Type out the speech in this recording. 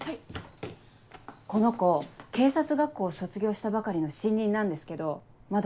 この子警察学校を卒業したばかりの新任なんですけどまだ